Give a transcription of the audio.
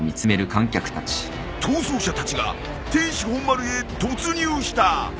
逃走者たちが天守本丸へ突入した。